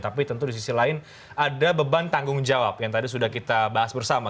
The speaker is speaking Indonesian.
tapi tentu di sisi lain ada beban tanggung jawab yang tadi sudah kita bahas bersama